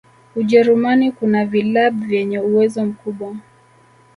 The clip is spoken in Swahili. ujerumani kuna vilab vyenye uwezo mkubwa